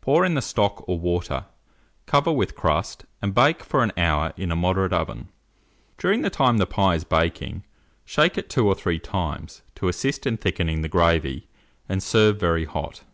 Pour in the stock or water, cover with crust, and bake for an hour in a moderate oven. During the time the pie is baking, shake it 2 or 3 times, to assist in thickening the gravy, and serve very hot.